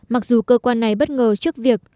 mặc dù cơ quan này bất ngờ trước việc